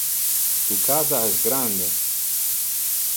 Tu casa es grande.